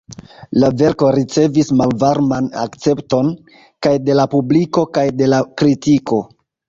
La verko ricevis malvarman akcepton, kaj de la publiko kaj de la kritiko.